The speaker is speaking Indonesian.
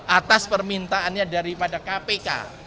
atas permintaannya daripada kpk